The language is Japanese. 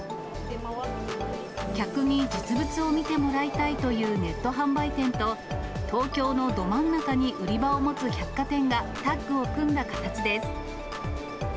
客に実物を見てもらいたいというネット販売店と、東京のど真ん中に売り場を持つ百貨店がタッグを組んだ形です。